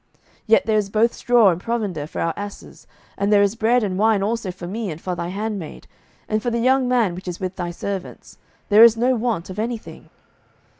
07:019:019 Yet there is both straw and provender for our asses; and there is bread and wine also for me, and for thy handmaid, and for the young man which is with thy servants: there is no want of any thing.